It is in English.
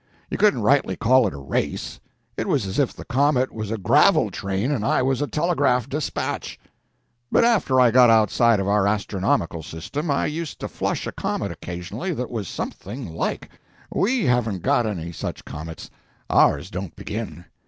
You couldn't rightly call it a race. It was as if the comet was a gravel train and I was a telegraph despatch. But after I got outside of our astronomical system, I used to flush a comet occasionally that was something like. We haven't got any such comets—ours don't begin.